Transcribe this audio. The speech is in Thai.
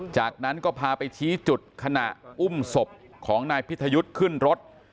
จากนั้นก็พาไปชี้จุดขณะอุ้มศพของนายพิทยุทธ์ขึ้นรถ